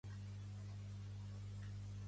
Quina era la seva funció com a dea totèmica?